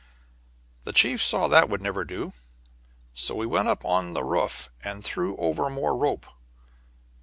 "The chief saw that would never do, so we went up on the roof and threw over more rope.